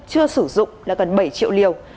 chưa sử dụng là gần bảy triệu liều